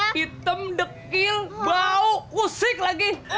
hitam dekil bau usik lagi